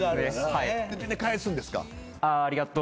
で返すんですか？